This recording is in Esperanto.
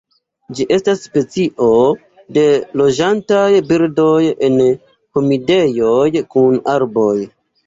Ĝi estas specio de loĝantaj birdoj en humidejoj kun arboj.